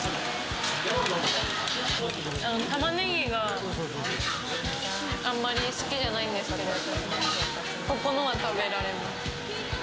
玉ねぎがあんまり好きじゃないんですけど、ここのは食べられます。